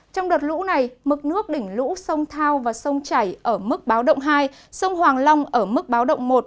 trong đợt lũ này mực nước đỉnh lũ sông thao và sông chảy ở mức báo động hai sông hoàng long ở mức báo động một